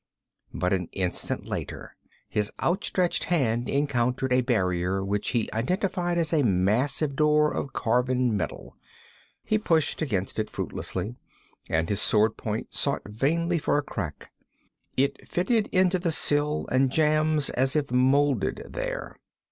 But an instant later his outstretched hand encountered a barrier which he identified as a massive door of carven metal. He pushed against it fruitlessly, and his sword point sought vainly for a crack. It fitted into the sill and jambs as if molded there.